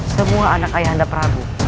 semua anak ayah anda prabu